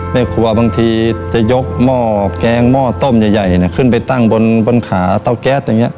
แม่ครัวบางทีจะยกหม้อแกงหม้อต้มใหญ่ขึ้นไปตั้งบนขาเตาแก๊สอย่างนี้